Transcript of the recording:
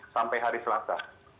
sampai hari selasa